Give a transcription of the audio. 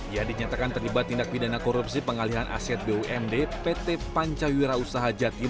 ia dinyatakan terlibat tindak pidana korupsi pengalihan aset bumd pt pancawira usaha jatim